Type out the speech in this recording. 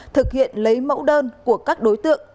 thực hiện lấy mẫu đơn của các đối tượng